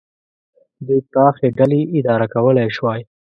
دوی پراخې ډلې اداره کولای شوای.